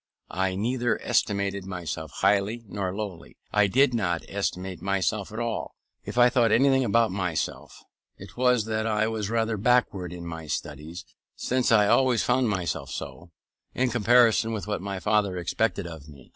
I neither estimated myself highly nor lowly: I did not estimate myself at all. If I thought anything about myself, it was that I was rather backward in my studies, since I always found myself so, in comparison with what my father expected from me.